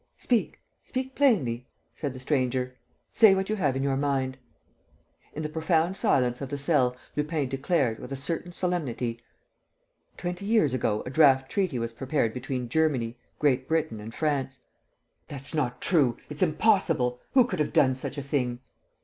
"Speak, speak plainly," said the stranger. "Say what you have in your mind." In the profound silence of the cell, Lupin declared, with a certain solemnity: "Twenty years ago a draft treaty was prepared between Germany, Great Britain, and France." "That's not true! It's impossible! Who could have done such a thing?"